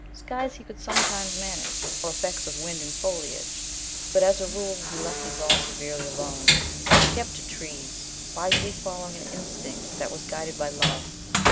Skies he could sometimes manage, or effects of wind in foliage, but as a rule he left these all severely alone. He kept to trees, wisely following an instinct that was guided by love.